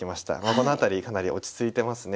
この辺りかなり落ち着いてますね